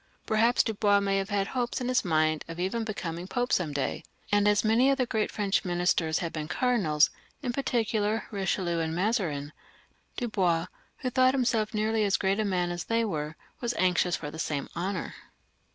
Perhaps Dubois may have had hopes in his mind of even coming to be Pope some day ; and many of the great French ministers had been cardinals, in particular, Eichelieu and Mazarin, and Dubois, who thought himself nearly as great a man as they were, was anxious for the same honour.